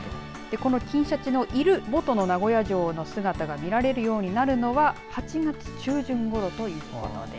この金しゃちのいる元の名古屋城の姿が見られるようになるのは８月中旬ごろということです。